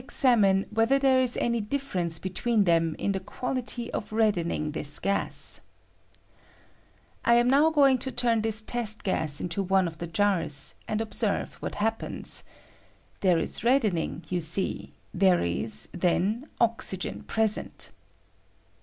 examine wlietlier there is any difference between them in the quality of reddening this gaa, I am now going to turn this test gas into one of the jars, and observe what happens : There 18 reddening, you see; there is, then, oxygen present.